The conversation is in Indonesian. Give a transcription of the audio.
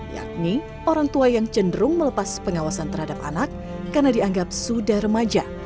yakni orang tua yang cenderung melepas pengawasan terhadap anak karena dianggap sudah remaja